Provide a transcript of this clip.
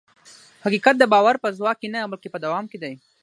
حقیقت د باور په ځواک کې نه، بلکې په دوام کې دی.